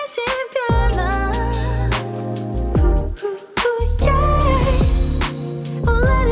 ใช่